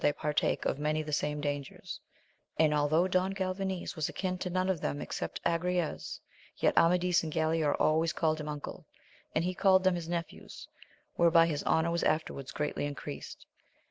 169 partake of many the same dangers ; and although Don Galvanes was akin to none of them except Agrayes, yet Amadis and Galaor always called him uncle, and he called them his nephews, whereby his honour was afterwards greatly increased.